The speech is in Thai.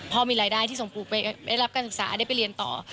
มีรายได้ที่ส่งปู่ไปได้รับการศึกษาได้ไปเรียนต่อ